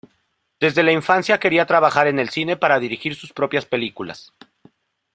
Desde la infancia quería trabajar en el cine para dirigir sus propias películas.